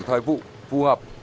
thời vụ phù hợp